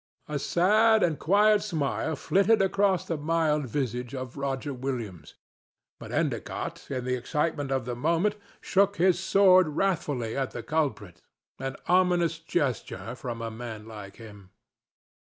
A sad and quiet smile flitted across the mild visage of Roger Williams, but Endicott, in the excitement of the moment, shook his sword wrathfully at the culprit—an ominous gesture from a man like him.